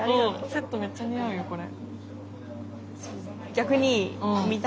セットめっちゃ似合うよこれ。